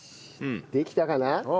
できたかな？